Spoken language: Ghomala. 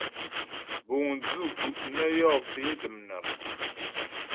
Buŋ dzʉ̂ gu' nə yɔ́ pé dəm nám.